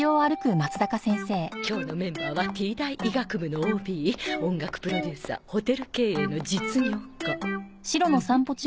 今日のメンバーは Ｔ 大医学部の ＯＢ 音楽プロデューサーホテル経営の実業家ん？